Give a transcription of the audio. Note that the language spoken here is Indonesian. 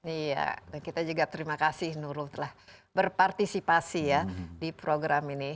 iya dan kita juga terima kasih nurul telah berpartisipasi ya di program ini